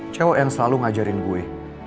cewek yang selalu ngajarin gue